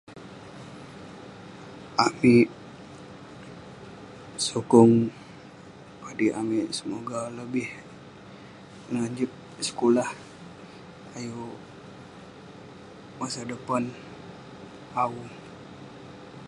Amik sukong padik amik semoga lebih ngejib sekulah ayuk masa depan au.